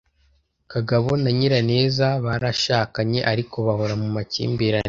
Kagabo na Nyiraneza barashakanye ariko bahora mu makimbirane